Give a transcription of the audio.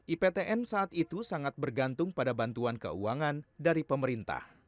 iptn saat itu sangat bergantung pada bantuan keuangan dari pemerintah